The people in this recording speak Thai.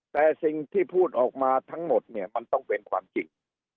แต่สิ่งที่พูดออกมาทั้งหมดเนี่ยมันต้องเป็นความจริง